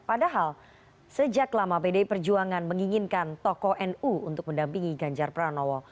padahal sejak lama pdi perjuangan menginginkan tokoh nu untuk mendampingi ganjar pranowo